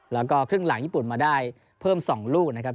แล้วก็ครึ่งหลังญี่ปุ่นมาได้เพิ่ม๒ลูกนะครับ